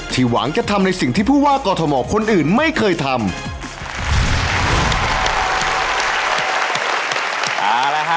หวังจะทำในสิ่งที่ผู้ว่ากอทมคนอื่นไม่เคยทำ